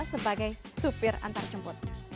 sebagai supir antarjemput